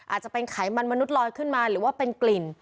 อาจจะเป็นไขมันมนุษย์ลอยขึ้นมาหรือว่าเป็นกลิ่น